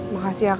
makasih ya kak